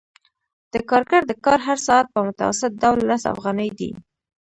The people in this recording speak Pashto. د کارګر د کار هر ساعت په متوسط ډول لس افغانۍ دی